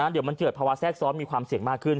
เดี๋ยวมันเกิดภาวะแทรกซ้อนมีความเสี่ยงมากขึ้น